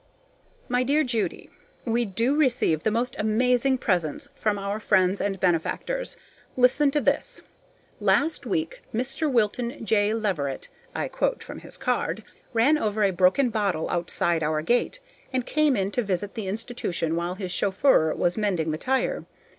My dear Judy: We do receive the most amazing presents from our friends and benefactors. Listen to this. Last week Mr. Wilton J. Leverett (I quote from his card) ran over a broken bottle outside our gate, and came in to visit the institution while his chauffeur was mending the tire.